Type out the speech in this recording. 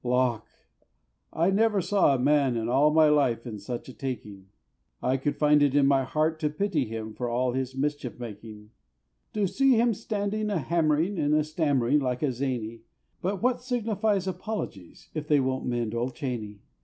Lawk! I never saw a man in all my life in such a taking; I could find it in my heart to pity him for all his mischief making. To see him stand a hammering and stammering like a zany; But what signifies apologies, if they won't mend old Chaney!